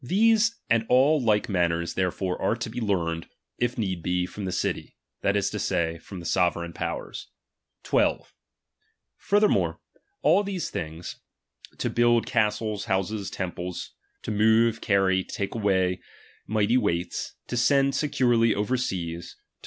These and all like matters therefore are to^ " learned, if need be, from the city, that is to say, from the sovereign powers. iniiie J2, Furthermore, all these things, to build cas luiodKB, wh™ ties, houses, temples ; to move, carry, take away whsi dX^'nB mighty weights ; to send securely over seas ; to "ceTKra"™!